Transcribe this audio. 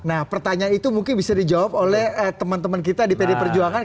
nah pertanyaan itu mungkin bisa dijawab oleh teman teman kita di pd perjuangan